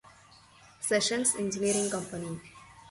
Sessions Engineering Company.